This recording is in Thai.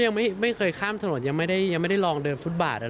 ยังไม่เคยข้ามถนนยังไม่ได้ลองเดินฟุตบาทอะไร